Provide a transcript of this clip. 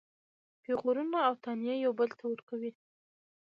پیغورونه او طعنې يو بل ته ورکوي.